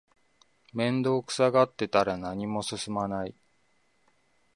面倒くさがってたら何も進まない